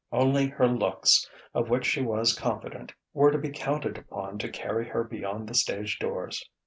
Only her looks, of which she was confident, were to be counted upon to carry her beyond the stage doors.